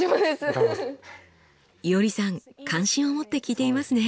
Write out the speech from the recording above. いおりさん関心を持って聞いていますね！